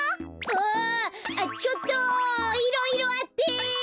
あちょっといろいろあって！